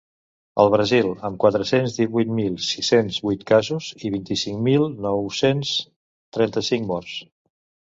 El Brasil, amb quatre-cents divuit mil sis-cents vuit casos i vint-i-cinc mil nou-cents trenta-cinc morts.